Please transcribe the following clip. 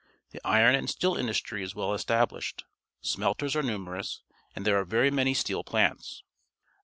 The iron and steel in dustry is well estabUshed; smelters are nu merous, and there are verj' many steel plants.